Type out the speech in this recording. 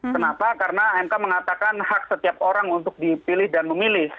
kenapa karena mk mengatakan hak setiap orang untuk dipilih dan memilih